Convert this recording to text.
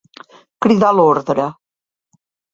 Cridar a l'ordre.